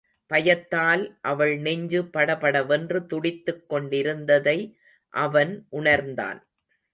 பயத்தால் அவள் நெஞ்சு பட படவென்று துடித்துக் கொண்டிருந்ததை அவன் உணர்ந்தான்.